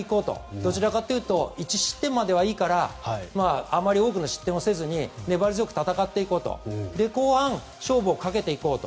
どちらかというと１失点まではいいからあまり多くの失点をせずに粘り強く戦って後半、勝負をかけていこうと。